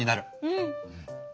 うん。